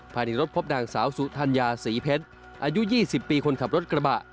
ภายในรถพบนางสาวสุธัญญาศรีเพชรอายุ๒๐ปีคนขับรถกระบะ